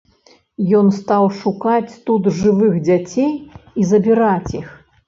Ён стаў шукаць тут жывых дзяцей і забіраць іх.